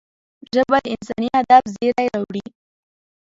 ژبه د انساني ادب زېری راوړي